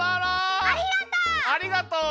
ありがとう！